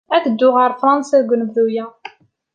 Ad dduɣ ɣer Fṛansa deg unebdu-a.